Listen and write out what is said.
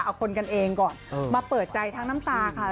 เอาคนกันเองก่อนมาเปิดใจทั้งน้ำตาค่ะ